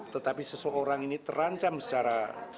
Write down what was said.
tetapi seseorang ini terancam secara